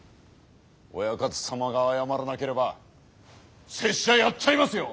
オヤカタ様が謝らなければ拙者やっちゃいますよ。